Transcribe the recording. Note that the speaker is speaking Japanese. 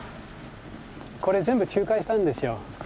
これ全部仲介したんですよ。